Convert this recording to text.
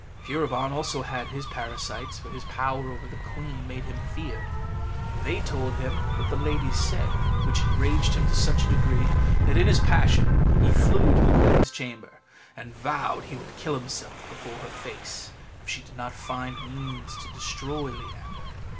Furibon also had his parasites, for his power over the queen made him feared; they told him what the ladies said, which enraged him to such a degree that in his passion he flew to the queen's chamber, and vowed he would kill himself before her face if she did not find means to destroy Leander.